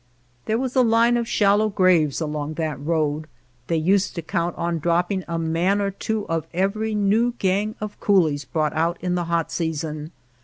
There was a line of shallow graves along that road ; they used to count on dropping a man or two of every new gang of coolies brought out in the hot season.